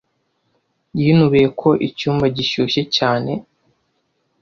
Yinubiye ko icyumba gishyushye cyane.